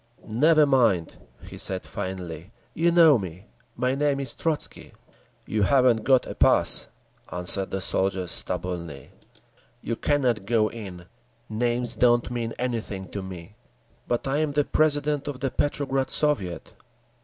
"Never mind," he said finally. "You know me. My name is Trotzky." "You haven't got a pass," answered the soldier stubbornly. "You cannot go in. Names don't mean anything to me." "But I am the president of the Petrograd Soviet."